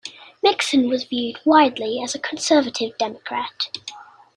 Mixson was viewed widely as a conservative Democrat.